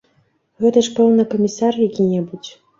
Гэта ж, пэўна, камісар які-небудзь.